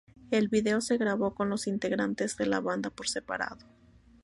El vídeo se grabó con los integrantes de la banda por separado.